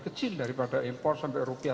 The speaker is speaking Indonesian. kecil daripada impor sampai rupiah